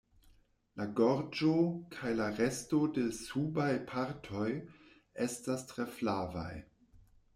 La gorĝo kaj la resto de subaj partoj estas tre flavaj.